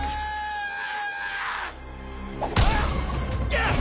よし！